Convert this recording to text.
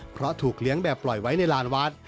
เพราะถูกเลี้ยงแบบปล่อยไว้ในลานวัด